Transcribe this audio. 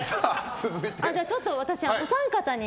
ちょっと私、お三方に。